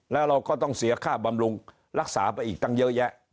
แล้วเราก็ต้องเสียค่าบำรุงรักษาไปอีกตั้งเยอะแยะ